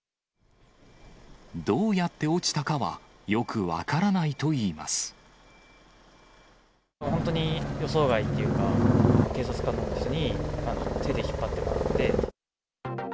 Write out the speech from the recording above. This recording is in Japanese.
どうやって落ちたかはよく分本当に予想外っていうか、警察官の方に手で引っ張ってもらって。